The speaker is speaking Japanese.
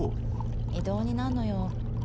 異動になんのよ。